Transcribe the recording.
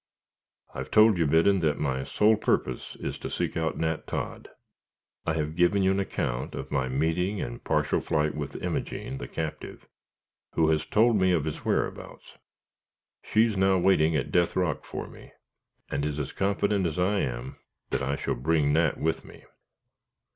"I have told you, Biddon, that my sole purpose is to seek out Nat Todd. I have given you an account of my meeting and partial flight with Imogene, the captive, who has told me of his whereabouts. She is now waiting at Death Rock for me, and is as confident as I am that I shall bring Nat with me.